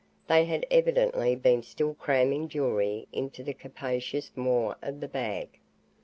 They had evidently been still cramming jewelry into the capacious maw of the bag.